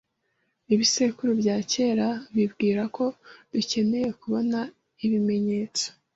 Ibisekuru byakera bibwira ko dukeneye kubona ibimenyetso